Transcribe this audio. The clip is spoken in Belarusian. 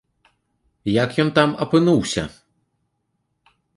Як ён там апынуўся?